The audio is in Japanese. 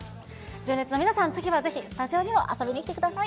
純烈の皆さん、次はぜひスタジオにも遊びに来てください。